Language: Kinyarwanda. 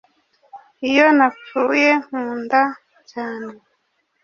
iyo napfuye, nkunda cyane